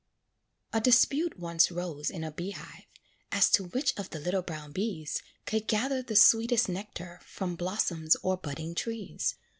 A dispute once arose in a bee hive As to which of the little brown bees Could gather the sweetest nectar From blossoms or budding trees.